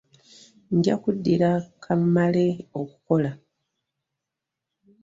Nja kkuddira ka mmale okukola.